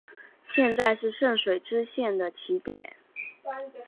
现在是圣水支线的起点。